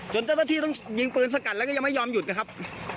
เจ้าหน้าที่ต้องยิงปืนสกัดแล้วก็ยังไม่ยอมหยุดนะครับ